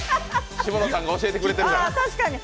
下野さんが教えてくれてるから。